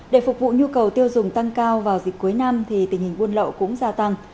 để phục vụ nhu cầu tiêu dùng tăng cao vào dịp cuối năm thì tình hình buôn lậu cũng gia tăng